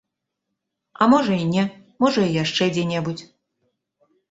А можа і не, можа і яшчэ дзе-небудзь.